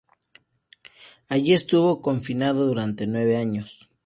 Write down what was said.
Allí estuvo confinado durante nueve años.